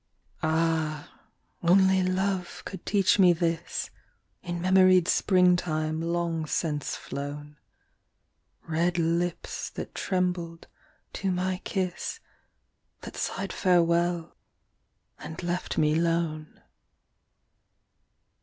v Ah ! only Love could teach me this, In memoried springtime long since flown ; Red lips that trembled to my kiss, That sighed farewell, and left me lone.